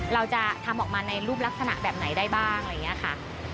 เราจะทำออกมาในรูปลักษณะแบบไหนได้บ้างอะไรอย่างนี้ค่ะ